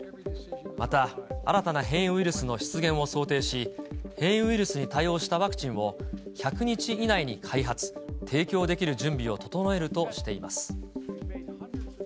また新たな変異ウイルスの出現を想定し、変異ウイルスに対応したワクチンを１００日以内に開発、提供できる準備を整えるとしています。